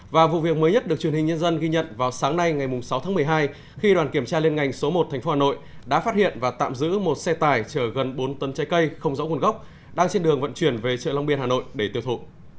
và vụ việc mới nhất được truyền hình nhân dân ghi nhận vào sáng nay ngày sáu tháng một mươi hai khi đoàn kiểm tra liên ngành số một tp hà nội đã phát hiện và tạm giữ một xe tải chở gần bốn tấn trái cây không rõ nguồn gốc đang trên đường vận chuyển về chợ long biên hà nội để tiêu thụ